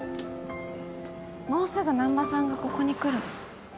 もうすぐ難破さんがここに来るの。